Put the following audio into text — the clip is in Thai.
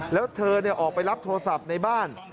แล้วเธอออกไปรับโทรศัพท์ในบ้าน